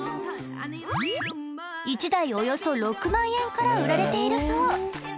１台およそ６万円から売られているそう。